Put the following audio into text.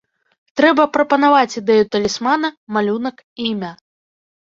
Трэба прапанаваць ідэю талісмана, малюнак і імя.